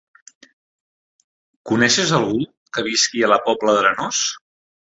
Coneixes algú que visqui a la Pobla d'Arenós?